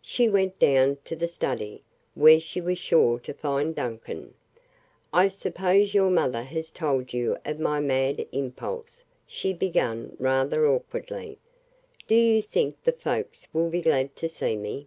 She went down to the study, where she was sure to find Duncan. "I suppose your mother has told you of my mad impulse," she began rather awkwardly. "Do you think the folks will be glad to see me?"